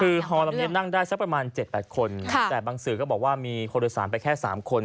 คือฮอลำนี้นั่งได้สักประมาณ๗๘คนแต่บางสื่อก็บอกว่ามีคนโดยสารไปแค่๓คน